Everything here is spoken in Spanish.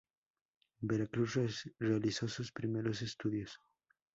En Veracruz, realizó sus primeros estudios.